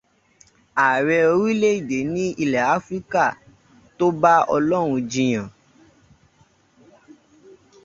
Ààrẹ orílẹ̀-èdè ní ilẹ̀ Áfíríkà 'tó bá Ọlọ́run jiyàn'.